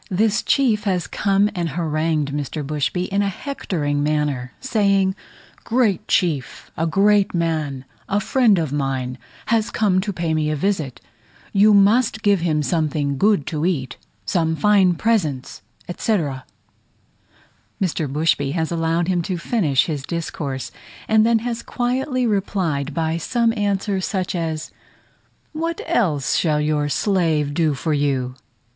This chief has come and harangued Mr. Bushby in a hectoring manner, saying, "great chief, a great man, a friend of mine, has come to pay me a visit you must give him something good to eat, some fine presents, etc." Mr. Bushby has allowed him to finish his discourse, and then has quietly replied by some answer such as, "What else shall your slave do for you?"